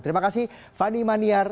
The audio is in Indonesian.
terima kasih fani maniar